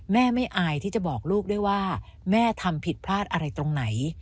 แม่ไม่อายที่จะบอกลูกด้วยว่าแม่ทำผิดพลาดอะไรตรงไหน